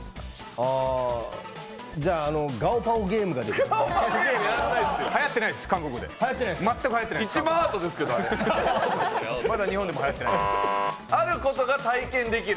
じゃあ、ガオパオゲームができる。